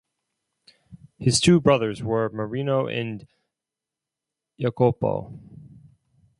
His two brothers were Marino and Iacopo.